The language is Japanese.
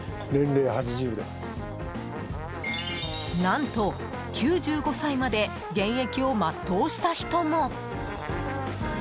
何と、９５歳まで現役を全うした人も。